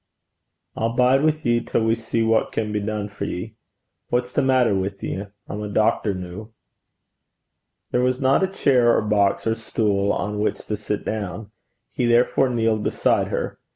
'I'll bide wi' ye till we see what can be dune for ye. What's the maitter wi' ye? I'm a doctor noo.' There was not a chair or box or stool on which to sit down. He therefore kneeled beside her.